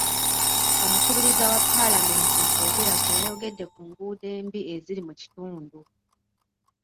Omukubiriza wa paalamenti mu kwogera kwe yayogedde ku nguudo embi eziri mu kitundu.